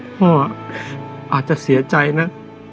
พ่ออาจจะเสียใจนะ